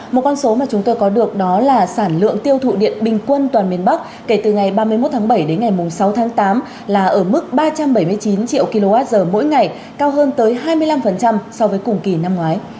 một con số mà chúng tôi có được đó là sản lượng tiêu thụ điện bình quân toàn miền bắc kể từ ngày ba mươi một tháng bảy đến ngày sáu tháng tám là ở mức ba trăm bảy mươi chín triệu kwh mỗi ngày cao hơn tới hai mươi năm so với cùng kỳ năm ngoái